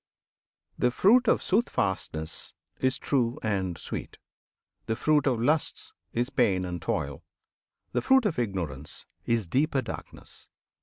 The fruit of Soothfastness is true and sweet; The fruit of lusts is pain and toil; the fruit Of Ignorance is deeper darkness.